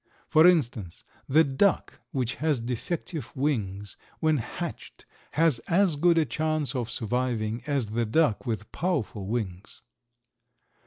For instance, the duck which has defective wings when hatched has as good a chance of surviving as the duck with powerful wings.